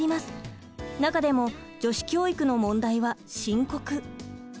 中でも女子教育の問題は深刻。